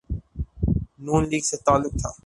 نون لیگ سے تعلق تھا۔